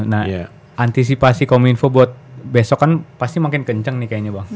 nah antisipasi kominfo buat besok kan pasti makin kenceng nih kayaknya bang